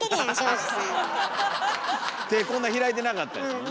うん開いてなかったよ。